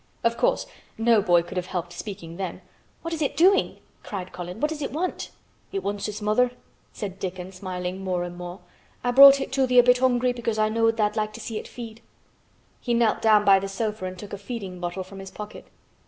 Of course no boy could have helped speaking then. "What is it doing?" cried Colin. "What does it want?" "It wants its mother," said Dickon, smiling more and more. "I brought it to thee a bit hungry because I knowed tha'd like to see it feed." He knelt down by the sofa and took a feeding bottle from his pocket.